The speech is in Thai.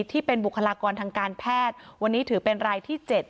ที่เป็นบุคลากรทางการแพทย์วันนี้ถือเป็นรายที่๗